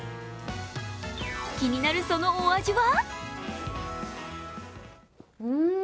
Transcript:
気になるそのお味は？